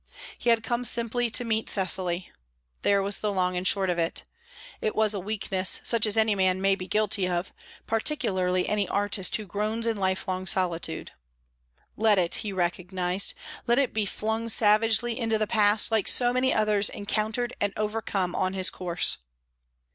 He had come simply to meet Cecily; there was the long and short of it. It was a weakness, such as any man may be guilty of, particularly any artist who groans in lifelong solitude. Let it he recognized; let it be flung savagely into the past, like so many others encountered and overcome on his course.